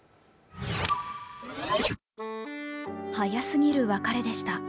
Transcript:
早すぎる別れでした。